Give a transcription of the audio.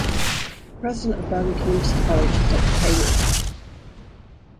The president of Bergen Community College is Doctor Kaye Walter.